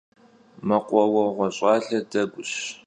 Mekhuaueğue ş'ale deguş.